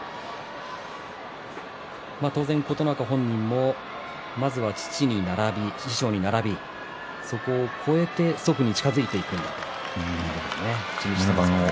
当然琴ノ若本人もまずは父に並び、師匠に並びそこを超えて祖父に近づいていくと言っています。